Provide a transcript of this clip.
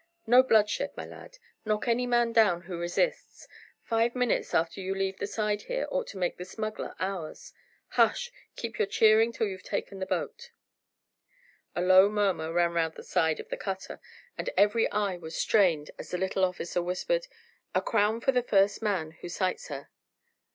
"No bloodshed, my lads. Knock any man down who resists. Five minutes after you leave the side here ought to make the smuggler ours. Hush! Keep your cheering till you've taken the boat." A low murmur ran round the side of the cutter, and every eye was strained as the little officer whispered, "A crown for the first man who sights her."